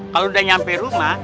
kalau udah nyampe rumah